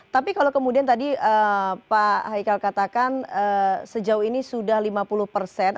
tapi kalau kemudian tadi pak haikal katakan sejauh ini sudah lima puluh persen